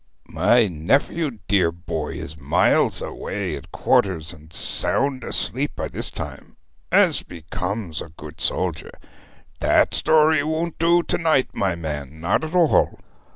'My nephew, dear boy, is miles away at quarters, and sound asleep by this time, as becomes a good soldier. That story won't do to night, my man, not at all.'